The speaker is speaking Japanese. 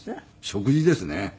食事ですね。